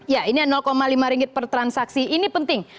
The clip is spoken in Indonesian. ya ini lima ringgit per transaksi ini penting